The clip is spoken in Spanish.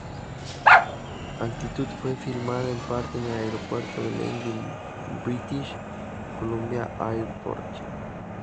Altitude fue filmada en parte en el aeropuerto de Langley, British Columbia airport.